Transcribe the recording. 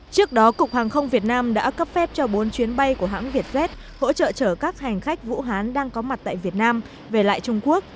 trước đó cục hàng không việt nam đã cấp phép cho bốn chuyến bay của hãng vietjet hỗ trợ chở các hành khách vũ hán đang có mặt tại việt nam về lại trung quốc